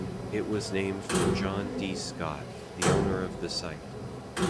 It was named for John D. Scott, the owner of the site.